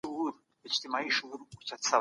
د هیواد پرمختګ باید د علومو او عدالت پراساس وي.